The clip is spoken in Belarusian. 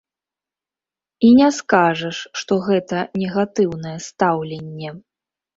І не скажаш, што гэта негатыўнае стаўленне.